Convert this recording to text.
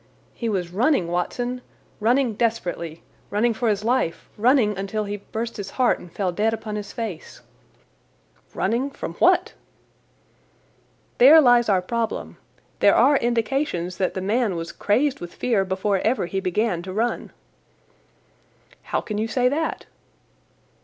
"He was running, Watson—running desperately, running for his life, running until he burst his heart—and fell dead upon his face." "Running from what?" "There lies our problem. There are indications that the man was crazed with fear before ever he began to run." "How can you say that?"